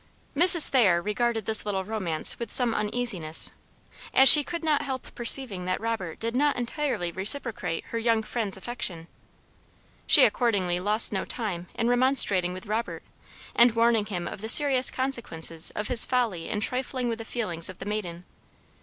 Mrs. Thayer regarded this little romance with some uneasiness, as she could not help perceiving that Robert did not entirely reciprocate her young friend's affection. She accordingly lost no time in remonstrating with Robert, and warning him of the serious consequences of his folly in trifling with the feelings of the maiden.